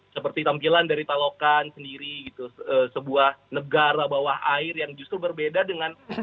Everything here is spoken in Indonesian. seperti tampilan dari talokan sendiri gitu sebuah negara bawah air yang justru berbeda dengan